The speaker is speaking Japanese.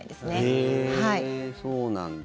へえ、そうなんだ。